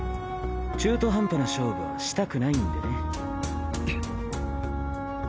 中途半端な勝負はしたくないんでね。